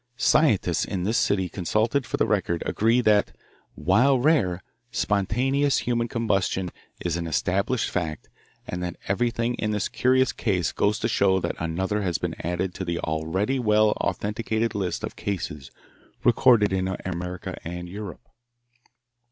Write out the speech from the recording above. Scientists in this city consulted for the Record agree that, while rare, spontaneous human combustion is an established fact and that everything in this curious case goes to show that another has been added to the already well authenticated list of cases recorded in America and Europe.